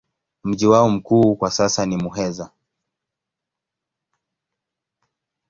Mji wao mkuu kwa sasa ni Muheza.